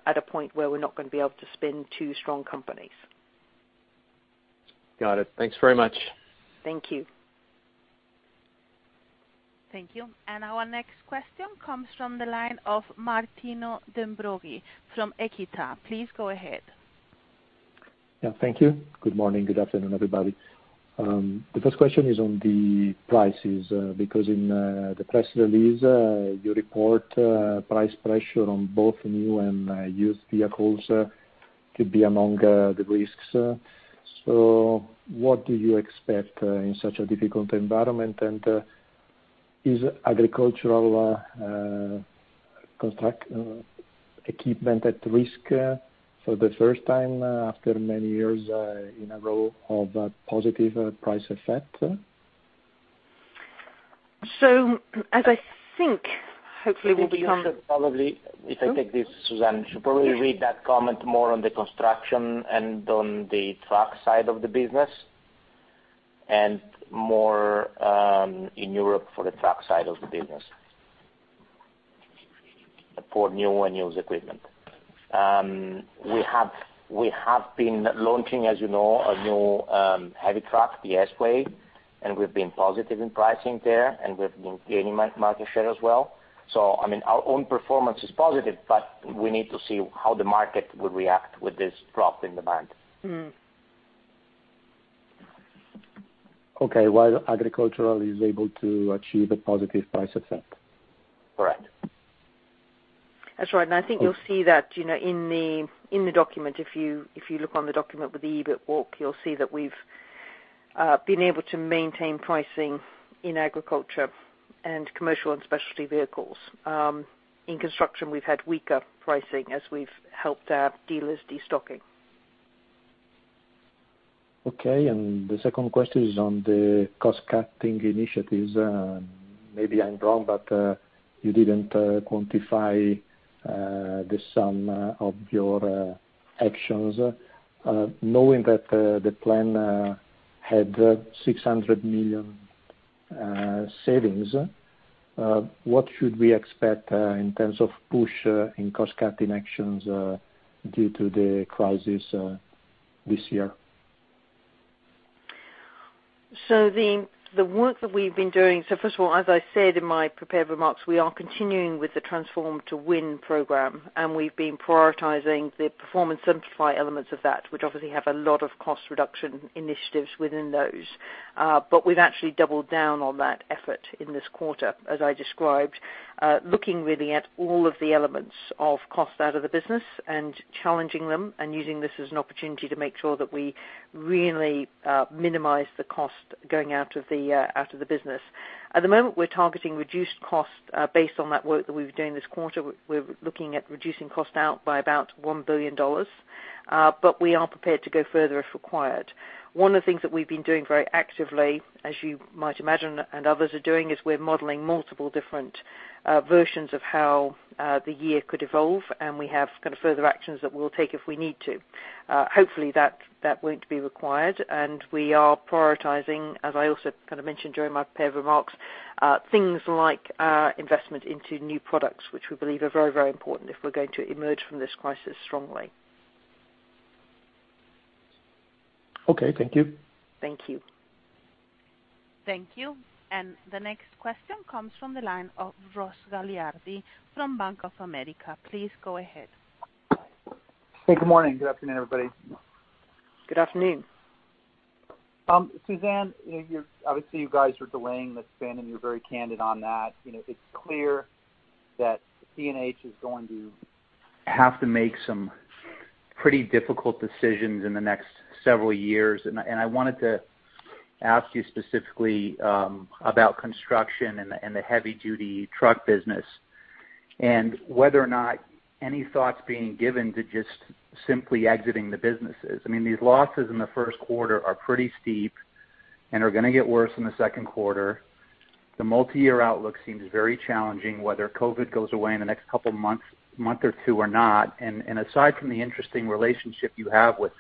at a point where we're not going to be able to spin two strong companies. Got it. Thanks very much. Thank you. Thank you. Our next question comes from the line of Martino De Ambroggi from Equita. Please go ahead. Yeah, thank you. Good morning. Good afternoon, everybody. The first question is on the prices, because in the press release, you report price pressure on both new and used vehicles to be among the risks. What do you expect in such a difficult environment? Is agricultural construction equipment at risk for the first time after many years in a row of positive price effect? as I think, hopefully we'll be on- I think, if I take this, Suzanne, should probably read that comment more on the construction and on the truck side of the business, and more in Europe for the truck side of the business for new and used equipment. We have been launching, as you know, a new heavy truck, the S-Way, and we've been positive in pricing there, and we've been gaining market share as well. Our own performance is positive, we need to see how the market will react with this drop in demand. Okay. While agricultural is able to achieve a positive price effect. Correct. That's right. I think you'll see that in the document, if you look on the document with the EBIT walk, you'll see that we've been able to maintain pricing in agriculture and commercial and specialty vehicles. In construction, we've had weaker pricing as we've helped our dealers de-stocking. The second question is on the cost-cutting initiatives. Maybe I'm wrong, but you didn't quantify the sum of your actions. Knowing that the plan had $600 million savings, what should we expect in terms of push in cost-cutting actions due to the crisis this year? The work that we've been doing first of all, as I said in my prepared remarks, we are continuing with the Transform 2 Win program, and we've been prioritizing the Perform & Simplify elements of that, which obviously have a lot of cost reduction initiatives within those. We've actually doubled down on that effort in this quarter, as I described, looking really at all of the elements of cost out of the business and challenging them and using this as an opportunity to make sure that we really minimize the cost going out of the business. At the moment, we're targeting reduced costs based on that work that we've been doing this quarter. We're looking at reducing cost out by about $1 billion, but we are prepared to go further if required. One of the things that we've been doing very actively, as you might imagine, and others are doing, is we're modeling multiple different versions of how the year could evolve, and we have further actions that we'll take if we need to. Hopefully, that won't be required, and we are prioritizing, as I also mentioned during my prepared remarks, things like investment into new products, which we believe are very, very important if we're going to emerge from this crisis strongly. Okay, thank you. Thank you. Thank you. The next question comes from the line of Ross Gilardi from Bank of America. Please go ahead. Hey, good morning. Good afternoon, everybody. Good afternoon. Suzanne, obviously, you guys are delaying the spin, and you're very candid on that. It's clear that CNH is going to have to make some pretty difficult decisions in the next several years. I wanted to ask you specifically about construction and the heavy-duty truck business and whether or not any thoughts being given to just simply exiting the businesses. These losses in the first quarter are pretty steep and are going to get worse in the second quarter. The multi-year outlook seems very challenging, whether COVID goes away in the next couple month or two or not. Aside from the interesting relationship you have with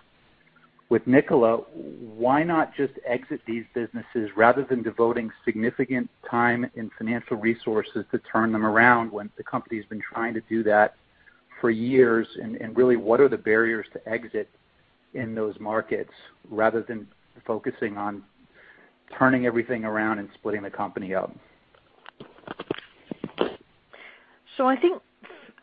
Nikola, why not just exit these businesses rather than devoting significant time and financial resources to turn them around when the company's been trying to do that for years? Really, what are the barriers to exit in those markets rather than focusing on turning everything around and splitting the company up?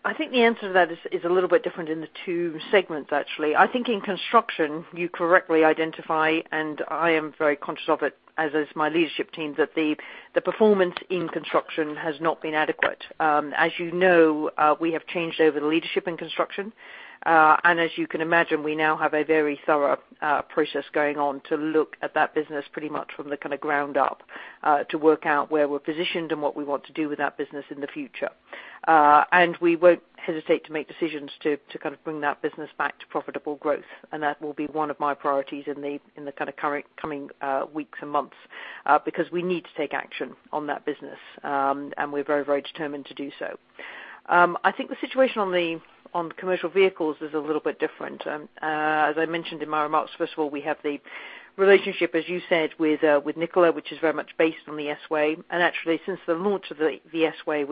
I think the answer to that is a little bit different in the two segments, actually. I think in construction, you correctly identify, and I am very conscious of it, as is my leadership team, that the performance in construction has not been adequate. As you know, we have changed over the leadership in construction. As you can imagine, we now have a very thorough process going on to look at that business pretty much from the ground up to work out where we're positioned and what we want to do with that business in the future. We won't hesitate to make decisions to bring that business back to profitable growth. That will be one of my priorities in the coming weeks and months, because we need to take action on that business, and we're very determined to do so. I think the situation on the commercial vehicles is a little bit different. As I mentioned in my remarks, first of all, we have the relationship, as you said, with Nikola, which is very much based on the S-Way. Actually, since the launch of the S-Way,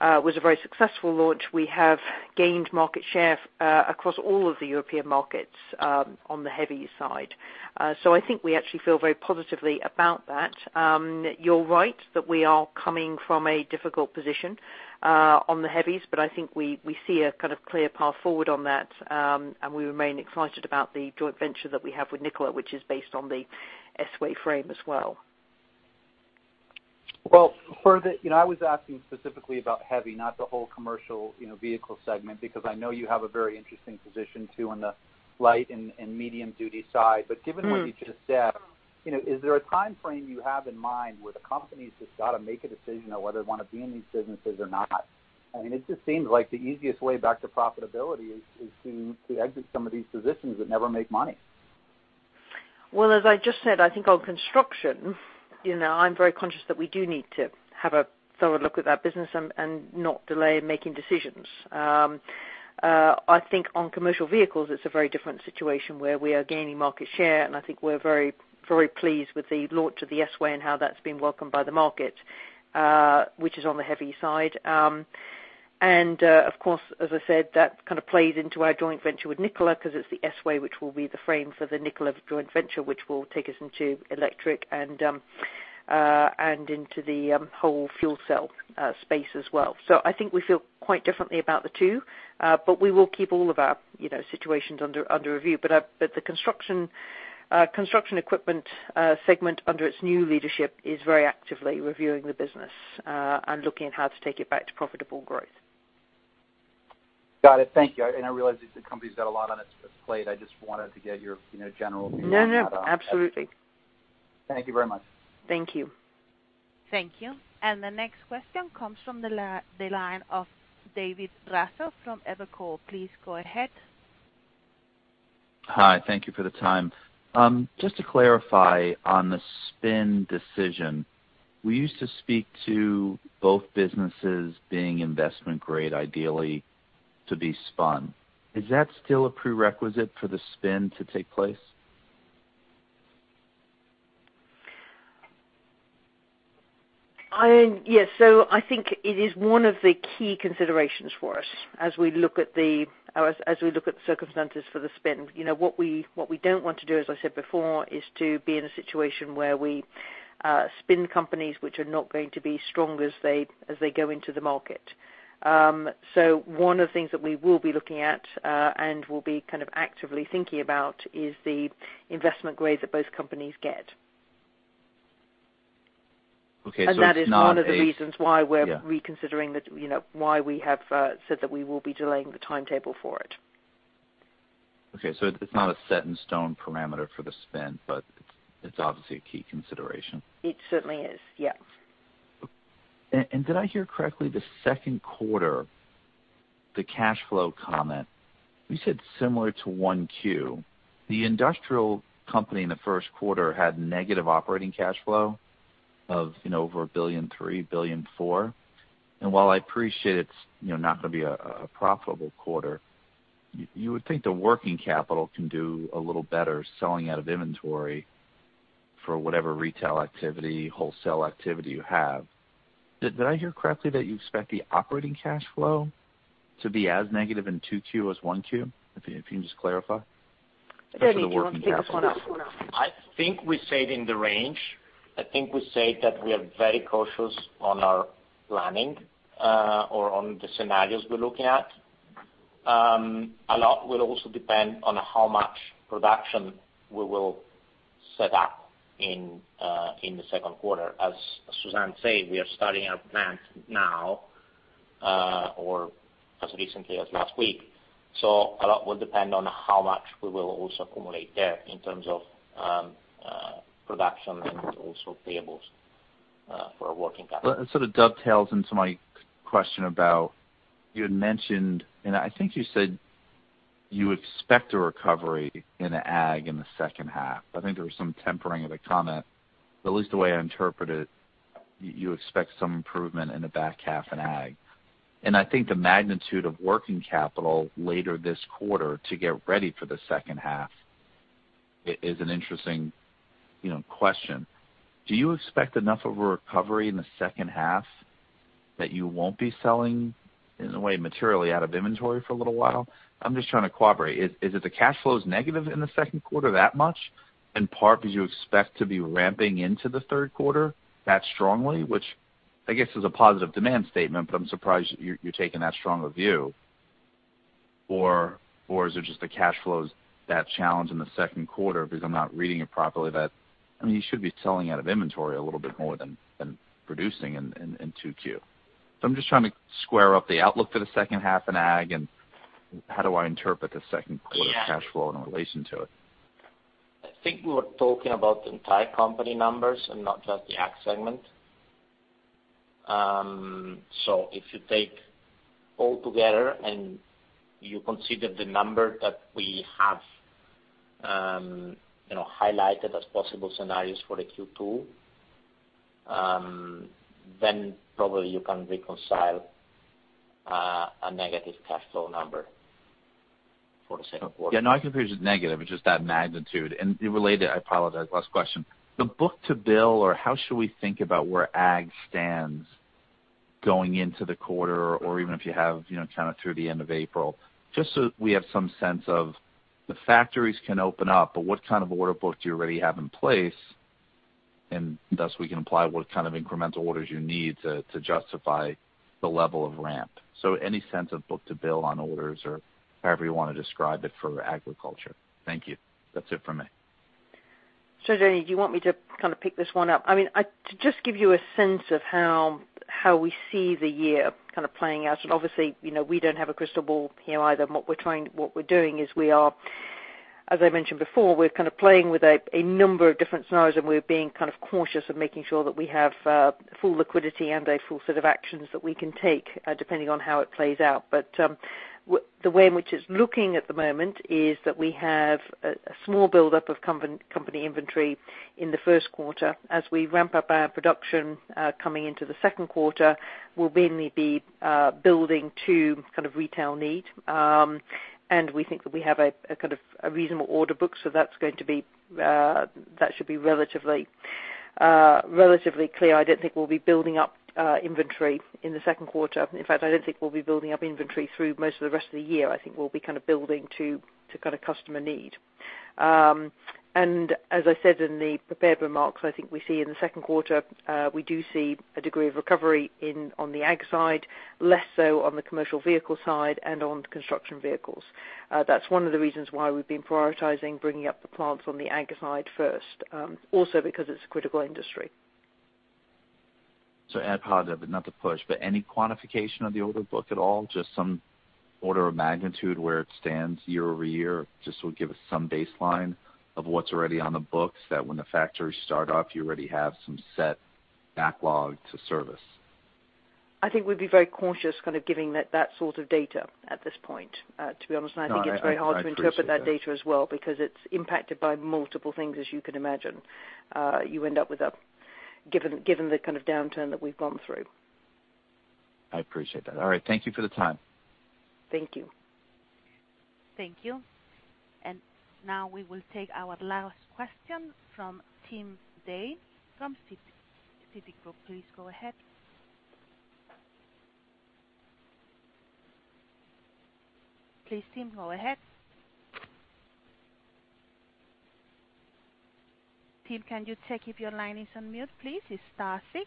which was a very successful launch, we have gained market share across all of the European markets on the heavy side. I think we actually feel very positively about that. You're right that we are coming from a difficult position on the heavies, but I think we see a clear path forward on that, and we remain excited about the joint venture that we have with Nikola, which is based on the S-Way frame as well. Well, I was asking specifically about heavy, not the whole commercial vehicle segment, because I know you have a very interesting position, too, on the light and medium-duty side. Given what you just said, is there a timeframe you have in mind where the company's just got to make a decision on whether they want to be in these businesses or not? It just seems like the easiest way back to profitability is to exit some of these positions that never make money. Well, as I just said, I think on construction, I'm very conscious that we do need to have a thorough look at that business and not delay making decisions. I think on commercial vehicles, it's a very different situation where we are gaining market share, and I think we're very pleased with the launch of the S-Way and how that's been welcomed by the market, which is on the heavy side. Of course, as I said, that plays into our joint venture with Nikola because it's the S-Way which will be the frame for the Nikola joint venture, which will take us into electric and into the whole fuel cell space as well. I think we feel quite differently about the two, but we will keep all of our situations under review. The construction equipment segment under its new leadership is very actively reviewing the business and looking at how to take it back to profitable growth. Got it. Thank you. I realize the company's got a lot on its plate. I just wanted to get your general view on that. No, absolutely. Thank you very much. Thank you. Thank you. The next question comes from the line of David Raso from Evercore. Please go ahead. Hi. Thank you for the time. Just to clarify on the spin decision, we used to speak to both businesses being investment grade ideally to be spun. Is that still a prerequisite for the spin to take place? Yes. I think it is one of the key considerations for us as we look at the circumstances for the spin. What we don't want to do, as I said before, is to be in a situation where we spin companies which are not going to be strong as they go into the market. One of the things that we will be looking at, and will be kind of actively thinking about, is the investment grades that both companies get. Okay. That is one of the reasons why. Yeah. Reconsidering why we have said that we will be delaying the timetable for it. Okay, it's not a set-in-stone parameter for the spin, but it's obviously a key consideration. It certainly is, yes. Did I hear correctly, the second quarter, the cash flow comment, you said similar to one Q. The industrial company in the first quarter had negative operating cash flow of over $1.3 billion, $1.4 billion. While I appreciate it's not going to be a profitable quarter, you would think the working capital can do a little better selling out of inventory for whatever retail activity, wholesale activity you have. Did I hear correctly that you expect the operating cash flow to be as negative in Q2 as Q1? If you can just clarify, especially the working capital piece. David, do you want to pick this one up? I think we said in the range. I think we said that we are very cautious on our planning, or on the scenarios we're looking at. A lot will also depend on how much production we will set up in the second quarter. As Suzanne said, we are starting our plants now, or as recently as last week. A lot will depend on how much we will also accumulate there in terms of production and also payables for our working capital. That sort of dovetails into my question about, you had mentioned, I think you said you expect a recovery in ag in the second half. I think there was some tempering of the comment, but at least the way I interpret it, you expect some improvement in the back half in ag. I think the magnitude of working capital later this quarter to get ready for the second half is an interesting question. Do you expect enough of a recovery in the second half that you won't be selling, in a way, materially out of inventory for a little while? I'm just trying to corroborate. Is it the cash flow's negative in the second quarter that much, in part because you expect to be ramping into the third quarter that strongly, which I guess is a positive demand statement, but I'm surprised you're taking that strong a view. Is it just the cash flow's that challenged in the second quarter because I'm not reading it properly that you should be selling out of inventory a little bit more than producing in Q2. I'm just trying to square up the outlook for the second half in ag, and how do I interpret the second quarter cash flow in relation to it? I think we were talking about the entire company numbers and not just the ag segment. If you take all together and you consider the number that we have highlighted as possible scenarios for the Q2, probably you can reconcile a negative cash flow number for the second quarter. Yeah, no, I can agree with negative, it's just that magnitude. Related, I apologize, last question. The book-to-bill, or how should we think about where ag stands going into the quarter, or even if you have, kind of through the end of April, just so we have some sense of the factories can open up, but what kind of order book do you already have in place? Thus we can apply what kind of incremental orders you need to justify the level of ramp. Any sense of book-to-bill on orders or however you want to describe it for agriculture. Thank you. That's it for me. Suzanne, do you want me to kind of pick this one up? To just give you a sense of how we see the year kind of playing out. Obviously, we don't have a crystal ball here either, and what we're doing is we are, as I mentioned before, we're kind of playing with a number of different scenarios, and we're being cautious of making sure that we have full liquidity and a full set of actions that we can take, depending on how it plays out. The way in which it's looking at the moment is that we have a small buildup of company inventory in the first quarter. As we ramp up our production coming into the second quarter, we'll mainly be building to retail need. We think that we have a reasonable order book, that should be relatively clear. I don't think we'll be building up inventory in the second quarter. In fact, I don't think we'll be building up inventory through most of the rest of the year. I think we'll be building to customer need. As I said in the prepared remarks, I think we see in the second quarter, we do see a degree of recovery on the ag side, less so on the commercial vehicle side and on construction vehicles. That's one of the reasons why we've been prioritizing bringing up the plants on the ag side first. Also because it's a critical industry. To add positive, not to push, but any quantification of the order book at all? Just some order of magnitude where it stands year-over-year, just to give us some baseline of what's already on the books, that when the factories start up, you already have some set backlog to service. I think we'd be very cautious kind of giving that sort of data at this point, to be honest. No, I appreciate that. I think it's very hard to interpret that data as well, because it's impacted by multiple things, as you can imagine, given the kind of downturn that we've gone through. I appreciate that. All right, thank you for the time. Thank you. Thank you. Now we will take our last question from Tim Day from Citigroup. Please go ahead. Please, Tim, go ahead. Tim, can you check if your line is on mute, please? It's star six.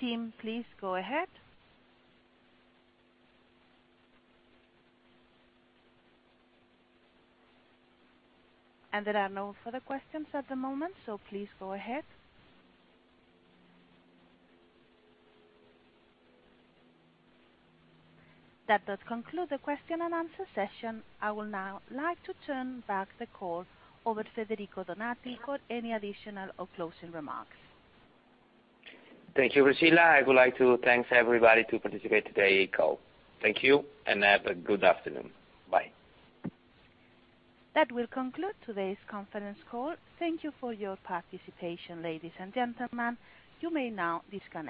Tim, please go ahead. There are no further questions at the moment, so please go ahead. That does conclude the question-and-answer session. I would now like to turn back the call over to Federico Donati for any additional or closing remarks. Thank you, Priscilla. I would like to thank everybody who participate today call. Thank you, and have a good afternoon. Bye. That will conclude today's conference call. Thank you for your participation, ladies and gentlemen. You may now disconnect.